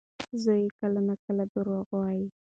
زوی یې کله ناکله دروغ وايي.